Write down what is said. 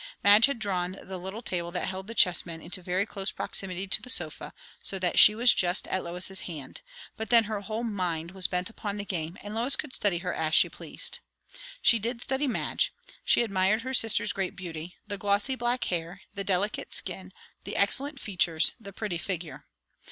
Madge had drawn the little table that held the chessmen into very close proximity to the sofa, so that she was just at Lois's hand; but then her whole mind was bent upon the game, and Lois could study her as she pleased. She did study Madge. She admired her sister's great beauty; the glossy black hair, the delicate skin, the excellent features, the pretty figure.